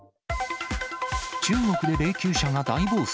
中国で霊きゅう車が大暴走。